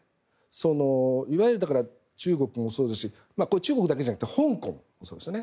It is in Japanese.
いわゆる中国もそうですし中国だけじゃなくて香港もそうですよね。